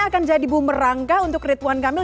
akan jadi bumerangga untuk ridwan kamil